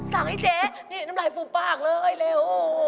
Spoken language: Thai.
สั่งให้เจ๊นี่น้ำลายฟูบปากเลยเร็ว